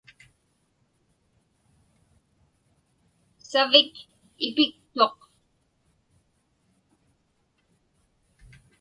Savik ipiktuq.